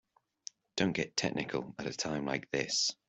Don't get technical at a time like this.